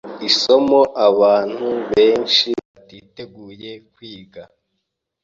isomo abantu benshi batiteguye kwiga.